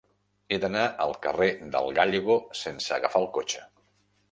He d'anar al carrer del Gállego sense agafar el cotxe.